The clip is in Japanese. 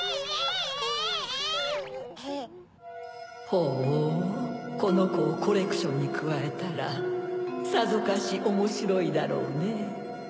ほうこのコをコレクションにくわえたらさぞかしおもしろいだろうねぇ。